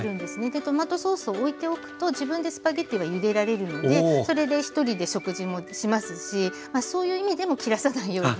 トマトソースをおいておくと自分でスパゲッティはゆでられるのでそれで１人で食事もしますしそういう意味でも切らさないようにしています。